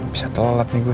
bisa telat nih gue